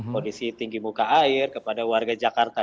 kondisi tinggi muka air kepada warga jakarta